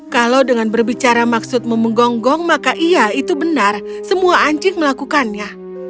kalau dengan berbicara maksud memenggonggong maka iya itu benar semua anjing melakukannya